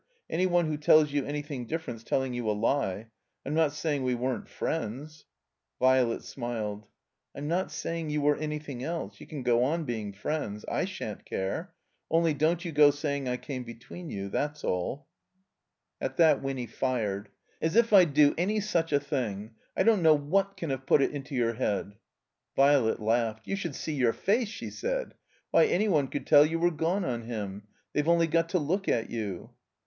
Any one who tells you anything dMerent's telling you a lie. I'm not saying we weren't friends —" Violet smiled. "I'm not saying you were anjrthing else. You can go on being friends. I sha'n't care. Only don't you go saying I came between you — ^that's all." "7 THE COMBINED MAZE At that Winny fired. "As if I'd do any such a thing! I don*t know what can have put it into your head. Violet laughed. "You should see your face," she said. "Why — any one cotdd tdl you were gone on him. They*ve only got to look at you.'